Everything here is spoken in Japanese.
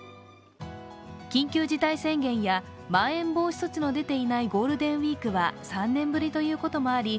緊急事態宣言やまん延防止措置の出ていないゴールデンウイークは３年ぶりということもあり